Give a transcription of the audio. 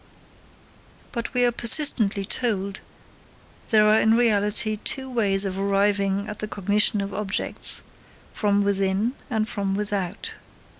But we are persistently told: there are in reality two ways of arriving at the cognition of objects from within and from without.